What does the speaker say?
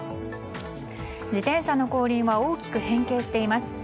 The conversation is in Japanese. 自転車の後輪は大きく変形しています。